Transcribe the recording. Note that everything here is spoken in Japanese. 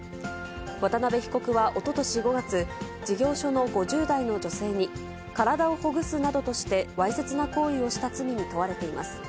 渡辺被告はおととし５月、事業所の５０代の女性に、体をほぐすなどとしてわいせつな行為をした罪に問われています。